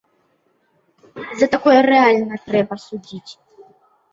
За такое рэальна трэба судзіць.